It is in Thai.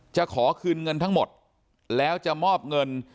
จะขอคืนเงินทั้งหมดแล้วจะมอบเงิน